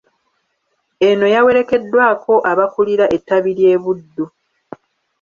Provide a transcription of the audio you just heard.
Eno yawerekeddwako abakulira ettabi ly’e Buddu.